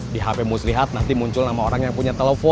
di hp muslihat nanti muncul nama orang yang punya telepon